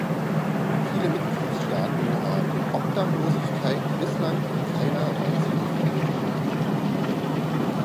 Viele Mitgliedstaaten haben Obdachlosigkeit bislang in keiner Weise definiert.